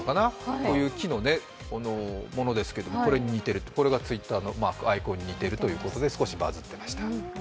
こういう木のものですけれども、これがＴｗｉｔｔｅｒのアイコンに似てるということでバズってました。